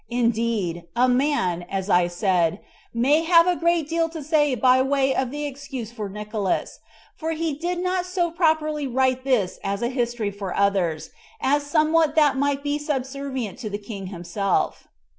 Indeed, a man, as I said, may have a great deal to say by way of excuse for Nicolaus; for he did not so properly write this as a history for others, as somewhat that might be subservient to the king himself.